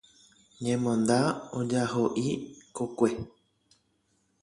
Ñemonda ojahoʼi kokue.